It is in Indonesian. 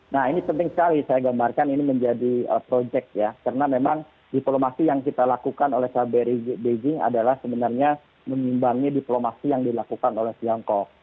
nah ini penting sekali saya gambarkan ini menjadi proyek ya karena memang diplomasi yang kita lakukan oleh kbri beijing adalah sebenarnya mengimbangi diplomasi yang dilakukan oleh tiongkok